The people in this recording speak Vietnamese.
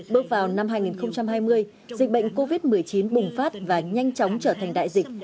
bước vào năm hai nghìn hai mươi dịch bệnh covid một mươi chín bùng phát và nhanh chóng trở thành đại dịch